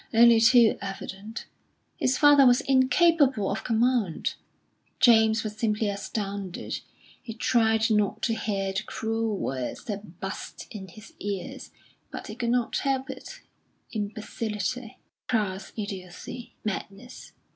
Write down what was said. only too evident his father was incapable of command. James was simply astounded; he tried not to hear the cruel words that buzzed in his ears, but he could not help it imbecility, crass idiocy, madness.